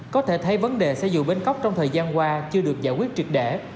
có thể thấy vấn đề xe dù bến cóc trong thời gian qua chưa được giải quyết trực để